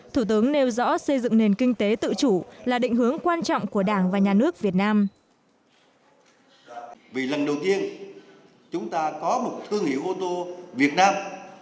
thủ tướng nêu rõ xây dựng nền kinh tế tự chủ là định hướng quan trọng của đảng và nhà nước việt nam